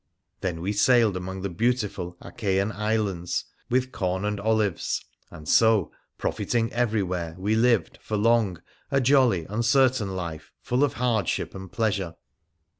Then we sailed among the beautiful Achaian islands with corn and olives ; and so, profiting everywhere, we lived, for long, a jolly, uncertain life, full of hardship and pleasure.